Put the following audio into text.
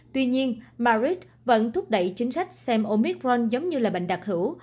tuy nhiên marid vẫn thúc đẩy chính sách xem omicron giống như là bệnh đặc hữu